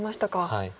はい。